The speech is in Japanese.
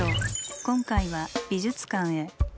今回は美術館へ。